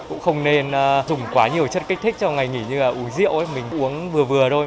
cũng không nên dùng quá nhiều chất kích thích cho ngày nghỉ như là uống rượu mình uống vừa vừa thôi